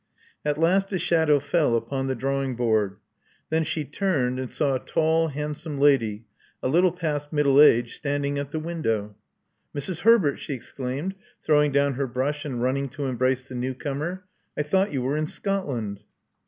At last a shadow fell upon the draw ing board. Then she turned, and saw a tall, hand some lady, a little past middle age, standing at the window. '*Mrs. Herbert!" she exclaimed, throwing down her brush, and running to embrace the new comer. ! thought you were in Scotland."